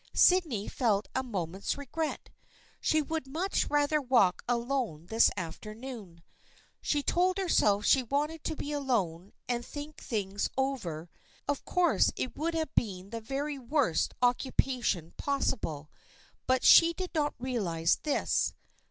Sydney felt a moment's regret. She would much rather walk alone this afternoon. She told herself she wanted to be alone and think things over. Of course it would have been the very worst occupation possible, but she did not realize this.